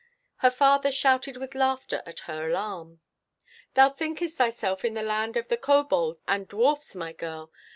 Her father shouted with laughter at her alarm. "Thou thinkest thyself in the land of the kobolds and dwarfs, my girl!